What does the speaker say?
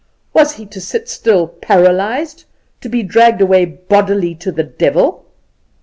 Was he to sit still paralyzed, to be dragged away bodily to the devil?